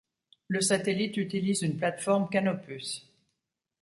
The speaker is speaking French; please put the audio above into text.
Le satellite utilise une plateforme Canopus.